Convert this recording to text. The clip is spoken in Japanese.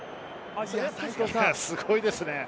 すごいですね。